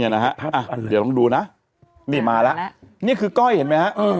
เดี๋ยวลองดูนะนี่มาแล้วนี่คือก้อยเห็นไหมฮะ